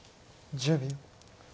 １０秒。